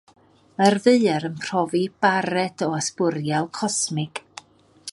Mae'r ddaear yn profi bared o ysbwriel cosmig.